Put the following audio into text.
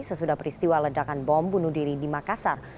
sesudah peristiwa ledakan bom bunuh diri di makassar